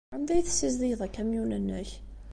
Anda ay tessizdigeḍ akamyun-nnek?